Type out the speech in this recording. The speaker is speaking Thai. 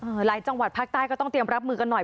หลายจังหวัดภาคใต้ก็ต้องเตรียมรับมือกันหน่อย